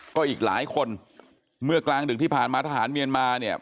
ก็อีกหลายคนเมื่อกลางดึกที่ผ่านมาทหารเมียนมาเนี่ย